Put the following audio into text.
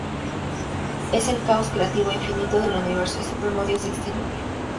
Es el caos "creativo" e infinito del universo y el supremo dios Exterior.